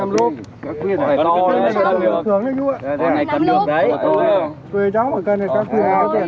bẻ đuôi con này có khoản phí nhất định